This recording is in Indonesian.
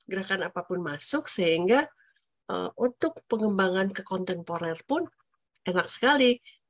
gerakan apapun masuk sehingga untuk pengembangan ke kontemporer pun enak sekali